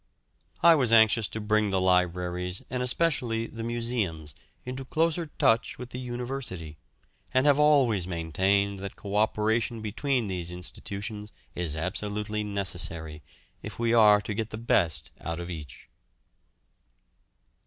I was anxious to bring the libraries, and especially the museums, into closer touch with the University, and have always maintained that co operation between these institutions is absolutely necessary, if we are to get the best out of each.